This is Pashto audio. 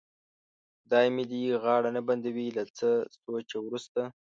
خدای مې دې غاړه نه بندوي، له څه سوچه وروسته.